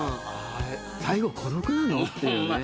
最後孤独なの？っていうね。